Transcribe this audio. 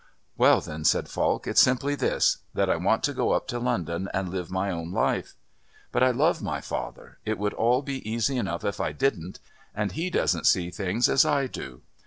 "Well, then," said Falk, "it's simply this that I want to go up to London and live my own life. But I love my father it would all be easy enough if I didn't and he doesn't see things as I do.